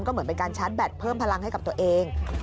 ก็เหมือนเป็นการชาร์จแบตเพิ่มพลังให้กับตัวเอง